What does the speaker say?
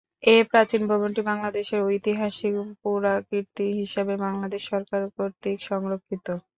এ প্রাচীন ভবনটি বাংলাদেশের ঐতিহাসিক পুরাকীর্তি হিসাবে বাংলাদেশ সরকার কর্তৃক সংরক্ষিত।